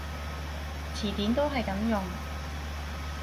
詞典都係噉用